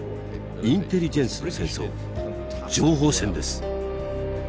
インテリジェンスの戦争情報戦です。